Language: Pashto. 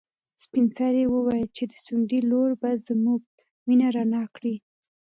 سپین سرې وویل چې د ځونډي لور به زموږ مېنه رڼا کړي.